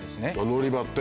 「のりば」って。